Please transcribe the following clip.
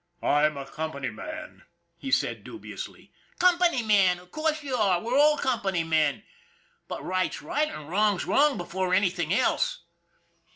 " I'm a company man," he said dubiously. "Company man! Of course you are. We're all company men. But right's right and wrong's wrong before anything else.